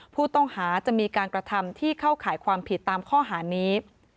ผู้ต้องหาจะมีการกระทำที่เข้าข่ายความผิดตามข้อหานี้